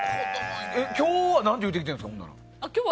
今日は何て言ってきてるんですか？